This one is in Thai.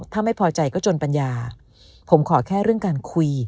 ถ้าไม่พอใจก็จนปัญญาผมขอแค่เรื่องการคุย